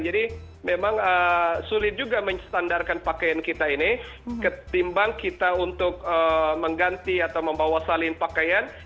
jadi memang sulit juga menstandarkan pakaian kita ini ketimbang kita untuk mengganti atau membawa salin pakaian